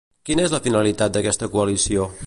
Quina és la finalitat d'aquesta coalició?